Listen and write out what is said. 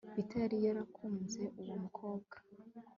Peter yari yarakunze uwo mukobwa